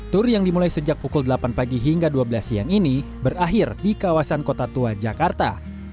tur yang dimulai sejak pukul delapan pagi hingga dua belas siang ini berakhir di kawasan kota tua jakarta